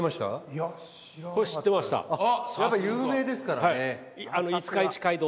やっぱり有名ですからね。